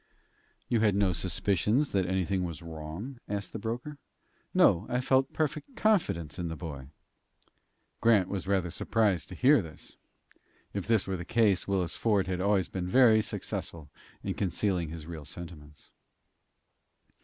"You had no suspicions that anything was wrong?" asked the broker. "No; I felt perfect confidence in the boy." Grant was rather surprised to hear this. If this were the case, Willis Ford had always been very successful, in concealing his real sentiments.